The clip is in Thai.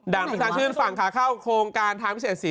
ประชาชื่นฝั่งขาเข้าโครงการทางพิเศษ๔